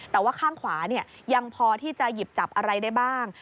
แต่ว่าข้างขวายังพอที่จะหยิบจับอะไรได้บ้าง